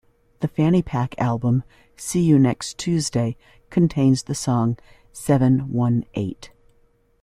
The FannyPack album "See You Next Tuesday" contains the song "Seven One Eight".